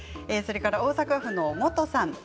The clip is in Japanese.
大阪府の方です。